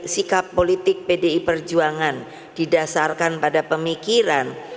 sikap politik pdi perjuangan didasarkan pada pemikiran